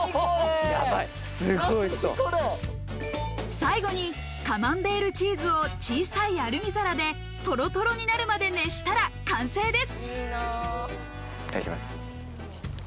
最後にカマンベールチーズを小さいアルミ皿でトロトロになるまで熱したら完成です。